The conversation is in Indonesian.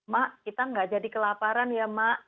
mak kita nggak jadi kelaparan ya mak